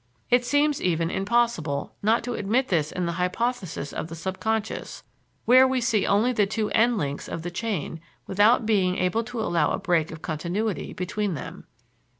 It seems even impossible not to admit this in the hypothesis of the subconscious, where we see only the two end links of the chain, without being able to allow a break of continuity between them.